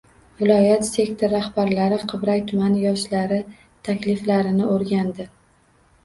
Viloyat sektor rahbarlari Qibray tumani yoshlari takliflarini o‘rgandi